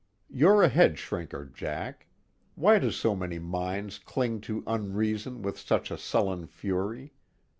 You're a headshrinker, Jack why do so many minds cling to unreason with such a sullen fury?